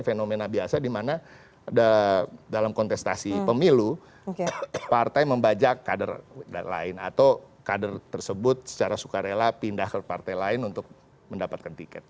fenomena biasa dimana dalam kontestasi pemilu partai membajak kader lain atau kader tersebut secara sukarela pindah ke partai lain untuk mendapatkan tiket